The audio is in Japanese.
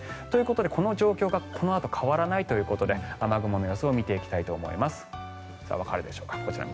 ということでこの状況がこのあと変わらないということで雨雲の様子を見ていきたいと思います。